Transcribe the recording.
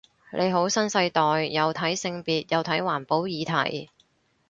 你好新世代，又睇性別又睇環保議題